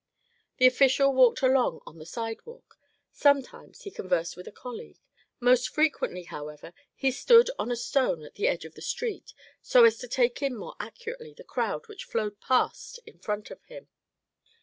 This official walked along on the sidewalk; sometimes he conversed with a colleague; most frequently, however, he stood on a stone at the edge of the street, so as to take in more accurately the crowd which flowed past in front of him.